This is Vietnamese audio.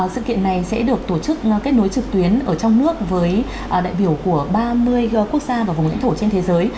sự kiện này sẽ được tổ chức kết nối trực tuyến ở trong nước với đại biểu của ba mươi quốc gia và vùng lãnh thổ trên thế giới